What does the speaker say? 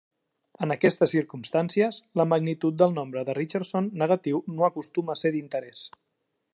En aquestes circumstàncies, la magnitud del nombre de Richardson negatiu no acostuma a ser d'interès.